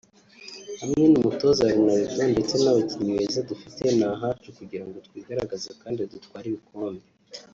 Hamwe n’umutoza Ronaldo ndetse n’abakinnyi beza dufite ni ahacu kugira ngo twigaragaze kandi dutware ibikombe